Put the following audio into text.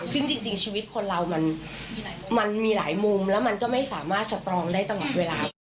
ซึ่งจริงชีวิตคนเรามันมีหลายมุมแล้วมันก็ไม่สามารถสตรองได้ตลอดเวลา